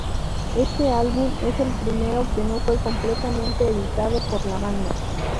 Este álbum es el primero que no fue completamente editado por la banda.